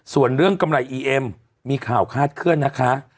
ส่วนเรื่องกำไรอีเอ็มมีข่าวคาดเคลื่อนนะคะ